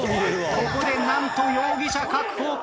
ここで何と容疑者確保。